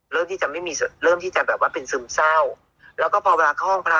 เริ่มที่จะไม่มีเริ่มที่จะแบบว่าเป็นซึมเศร้าแล้วก็พอเวลาเข้าห้องพระ